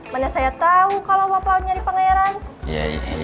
mana saya tahu kalau bapak nyari pangeran